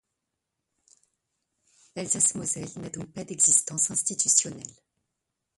L'Alsace-Moselle n'a donc pas d'existence institutionnelle.